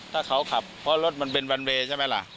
ถ้าเขาขับเพราะรถมันเป็นวันเวย์ใช่ไหมล่ะ